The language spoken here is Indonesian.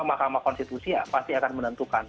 mahkamah konstitusi pasti akan menentukan